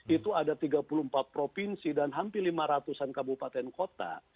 itu ada tiga puluh empat provinsi dan hampir lima ratus an kabupaten kota